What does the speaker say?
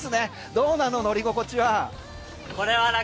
どうなの乗り心地は？